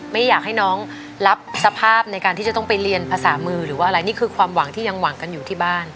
ไม่อยากให้น้องรับสภาพในการที่จะต้องไปเรียนภาษามือหรือว่าอะไรนี่คือความหวังที่ยังหวังกันอยู่ที่บ้าน